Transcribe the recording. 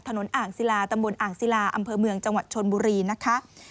อ่างศิลาตำบลอ่างศิลาอำเภอเมืองจังหวัดชนบุรีนะคะ